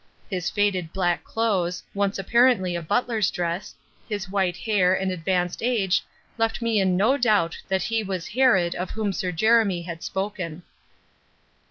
His faded black clothes, once apparently a butler's dress, his white hair and advanced age left me in no doubt that he was Horrod of whom Sir Jeremy had spoken.